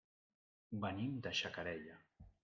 Venim de Xacarella.